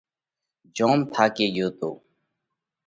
جوم ٿاڪي ڳيو تو۔